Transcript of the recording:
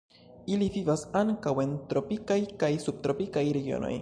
Ili vivas ankaŭ en tropikaj kaj subtropikaj regionoj.